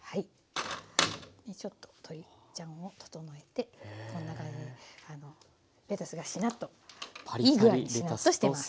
ちょっと鶏ちゃんを整えてこんな感じであのレタスがしなっといい具合にしなっとしてます。